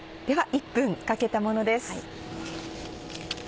１分かけたものです。